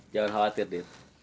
jangan khawatir dit